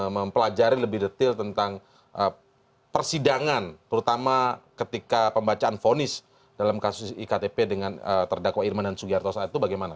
mempelajari lebih detail tentang persidangan terutama ketika pembacaan fonis dalam kasus iktp dengan terdakwa irman dan sugiharto saat itu bagaimana